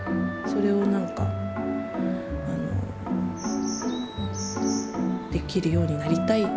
それをなんかできるようになりたい。